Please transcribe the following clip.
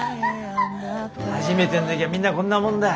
初めての時はみんなこんなもんだ。